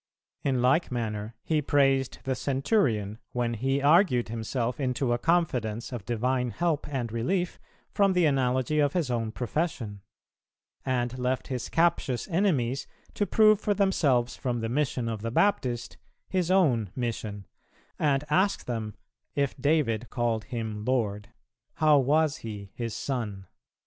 In like manner He praised the centurion when he argued himself into a confidence of divine help and relief from the analogy of his own profession; and left his captious enemies to prove for themselves from the mission of the Baptist His own mission; and asked them "if David called Him Lord, how was He his Son?"